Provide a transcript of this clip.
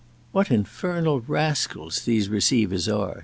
"What infernal rascals these receivers are!"